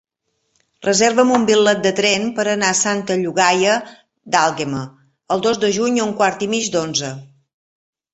Reserva'm un bitllet de tren per anar a Santa Llogaia d'Àlguema el dos de juny a un quart i mig d'onze.